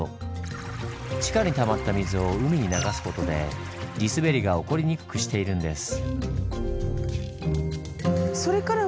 地下にたまった水を海に流すことで地すべりが起こりにくくしているんです。